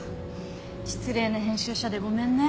失礼な編集者でごめんね。